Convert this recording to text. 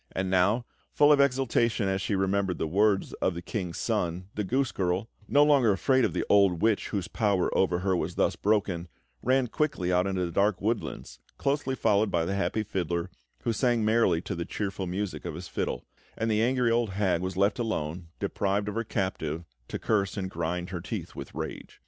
And now, full of exultation as she remembered the words of the King's Son, the goose girl, no longer afraid of the old witch, whose power over her was thus broken, ran quickly out into the dark woodlands, closely followed by the happy fiddler, who sang merrily to the cheerful music of his fiddle; and the angry old hag was left alone, deprived of her captive, to curse and grind her teeth with rage.